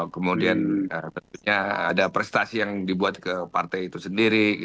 kemudian tentunya ada prestasi yang dibuat ke partai itu sendiri